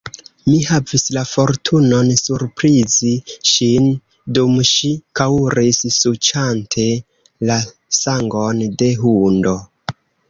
Mi havis la fortunon surprizi ŝin, dum ŝi kaŭris suĉante la sangon de hundo.